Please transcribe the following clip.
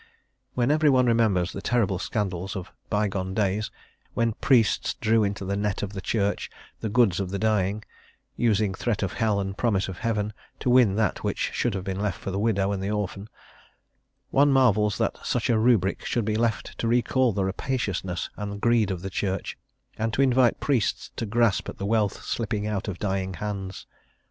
When every one remembers the terrible scandals of by gone days, when priests drew into the net of the Church the goods of the dying, using threat of hell and promise of heaven to win that which should have been left for the widow and the orphan, one marvels that such a rubric should be left to recall the rapaciousness and the greed of the Church, and to invite priests to grasp at the wealth slipping out of dying hands.